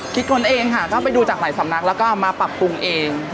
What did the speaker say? ค้นเองค่ะก็ไปดูจากหลายสำนักแล้วก็มาปรับปรุงเอง